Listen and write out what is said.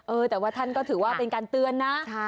เออแต่ว่าท่านก็ถือว่าเป็นการเตือนนะ